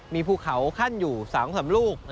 มีภูเขาขั้นอยู่๓๓ลูก